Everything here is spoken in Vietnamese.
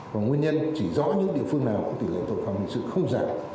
và nguyên nhân chỉ rõ những địa phương nào cũng tỉ lệ tội phạm hình sự không giảm